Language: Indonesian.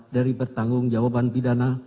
dari bertanggung jawaban pidana